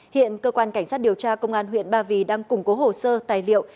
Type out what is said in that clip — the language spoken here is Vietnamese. hiện cơ quan cảnh sát điều tra công an huyện ba vì đang củng cố hồ sơ tài liệu